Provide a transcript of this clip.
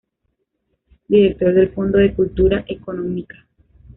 Director del Fondo de Cultura Económica.